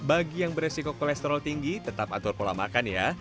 bagi yang beresiko kolesterol tinggi tetap atur pola makan ya